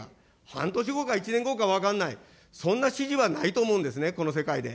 半年後か１年後か分からない、そんな指示はないと思うんですね、この世界で。